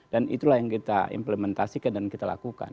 dan itulah yang kita implementasikan dan kita lakukan